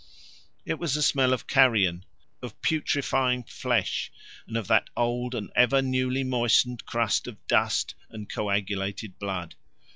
It was the smell of carrion, of putrifying flesh, and of that old and ever newly moistened crust of dust and coagulated blood.